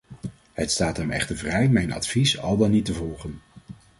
Het staat hem echter vrij mijn advies al dan niet te volgen.